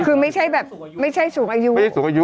คือไม่ใช่แบบไม่ใช่สูงอายุ